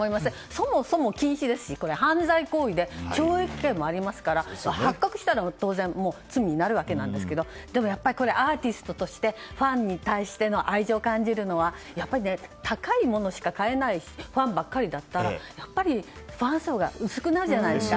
そもそも禁止ですし犯罪行為で懲役刑もありますから発覚したら当然罪になるわけですがアーティストとしてファンに対しての愛情を感じるのは高いものしか買えないファンばかりだったらやっぱり、ファン層が薄くなるじゃないですか。